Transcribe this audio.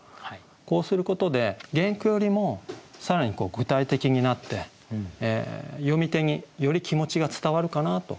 こうすることで原句よりも更に具体的になって読み手により気持ちが伝わるかなというふうに思いますが。